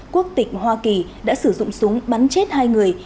quốc tịch hoa kỳ đã sử dụng súng bắn chết hai người